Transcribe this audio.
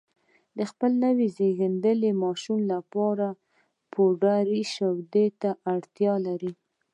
د خپل نوي زېږېدلي ماشوم لپاره پوډري شیدو ته اړتیا لري